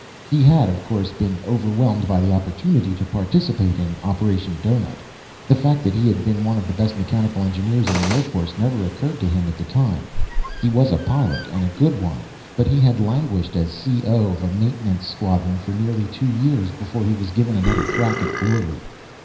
He had, of course, been overwhelmed by the opportunity to participate in Operation Doughnut. The fact that he had been one of the best mechanical engineers in the Air Force never occurred to him at the time. He was a pilot, and a good one, but he had languished as C.O. of a maintenance squadron for nearly two years before he was given another crack at glory.